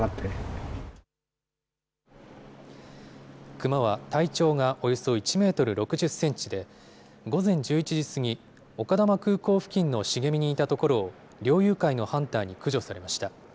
熊は体長がおよそ１メートル６０センチで、午前１１時過ぎ、丘珠空港付近の茂みにいたところを、猟友会のハンターに駆除されました。